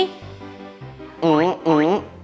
patung ngapain sih kesini